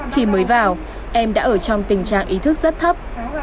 khi mới vào em đã ở trong tình trạng ý thức rất thấp